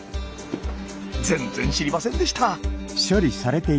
全然知りませんでした。